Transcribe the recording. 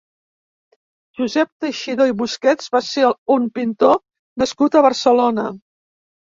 Josep Teixidor i Busquets va ser un pintor nascut a Barcelona.